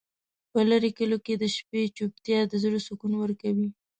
په لرې کلیو کې د شپې چوپتیا د زړه سکون ورکوي.